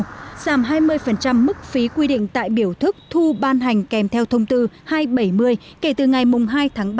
giảm hai mươi mức phí quy định tại biểu thức thu ban hành kèm theo thông tư hai trăm bảy mươi kể từ ngày hai tháng ba